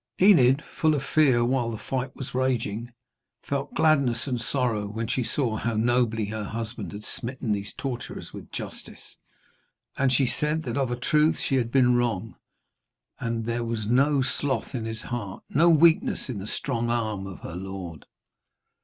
Enid, full of fear while the fight was raging, felt gladness and sorrow when she saw how nobly her husband had smitten these torturers with justice, and she said that of a truth she had been wrong, and that there was no sloth in his heart, no weakness in the strong arm of her lord.